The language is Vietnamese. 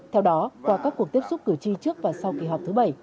theo đó qua các cuộc tiếp xúc cử tri trước và sau kỳ họp thứ bảy